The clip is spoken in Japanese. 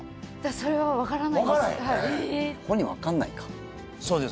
それは分からないです